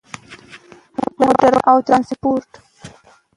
موټروان او ترانسپورت